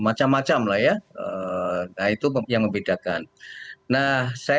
ada orang islam yang beragama yahudi itu kan kaitan dengan ideologi itu kan kaitan dengan ideologi